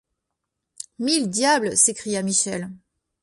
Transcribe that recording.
Mille diables! s’écria Michel.